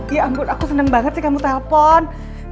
ya ampun aku seneng banget sih kamu telpon